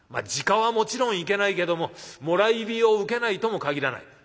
自火はもちろんいけないけどももらい火を受けないとも限らない。